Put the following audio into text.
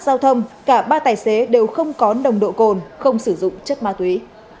giao thông cả ba tài xế đều không có nồng độ cồn không sử dụng chất ma túy